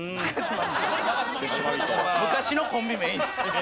昔のコンビ名いいんですよ。